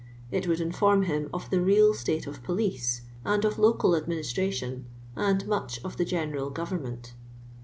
It would inform Iiim of the real state of pulice, and of local admini:»tr.itii>n, ai.d much of the general governnunl.